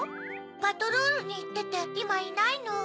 パトロールにいってていまいないの。